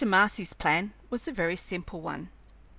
Marcy's plan was a very simple one.